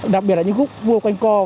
đặc biệt là những khúc cua quanh co